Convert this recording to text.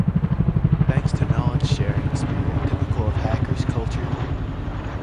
Thanks to knowledge sharing spirit typical of hackers culture.